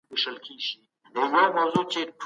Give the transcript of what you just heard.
د دې ډول نظریاتو ارزونه